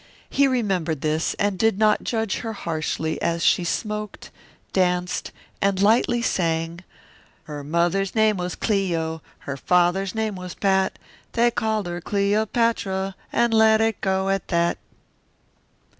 He remembered this, and did not judge her harshly as she smoked, danced, and lightly sang, Her mother's name was Cleo, Her father's name was Pat; They called her Cleopatra, And let it go at that.